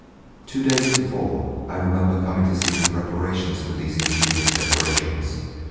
Two days before, I remember coming to see the preparations for these ingenious decorations.